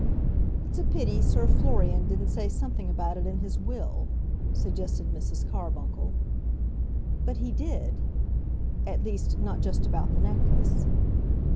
"It's a pity Sir Florian didn't say something about it in his will," suggested Mrs. Carbuncle. "But he did; at least, not just about the necklace."